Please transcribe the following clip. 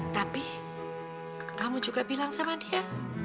tapi kamu juga bilang sama dia